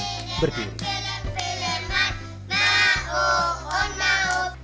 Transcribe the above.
ketika anak anak berada di tanah ombak mereka berkata